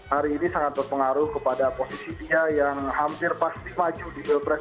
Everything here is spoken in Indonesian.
hari ini sangat berpengaruh kepada posisi dia yang hampir pasti maju di pilpres dua ribu sembilan